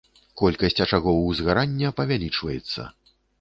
Колькасць ачагоў узгарання павялічваецца.